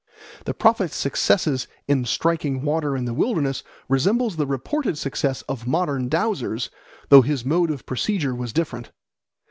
The prophet's success in striking water in the wilderness resembles the reported success of modern dowsers, though his mode of procedure was different.